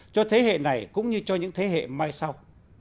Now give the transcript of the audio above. cho thế hệ này cũng như cho những thế hệ mai sau